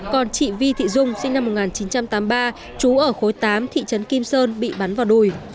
còn chị vi thị dung sinh năm một nghìn chín trăm tám mươi ba trú ở khối tám thị trấn kim sơn bị bắn vào đùi